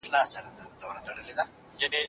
د ستونزو حل کول د شخصیت نښه ده.